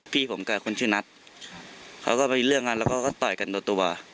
พี่ผมกับคนชื่อนัทเขาก็มีเรื่องกันแล้วก็ต่อยกันตัว